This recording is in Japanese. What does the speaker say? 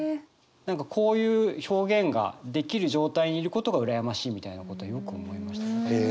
何かこういう表現ができる状態にいることが羨ましいみたいなことはよく思いましたね。